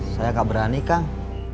saya gak berani kang